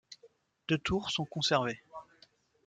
Deux tours sont conservées.